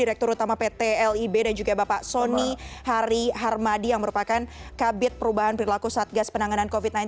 direktur utama pt lib dan juga bapak soni hari harmadi yang merupakan kabit perubahan perilaku satgas penanganan covid sembilan belas